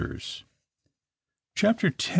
CHAPTER X.